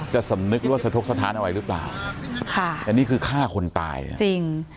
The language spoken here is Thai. จะสำนึกว่าสะทกสะท้านเอาไว้หรือเปล่าค่ะอันนี้คือฆ่าคนตายจริง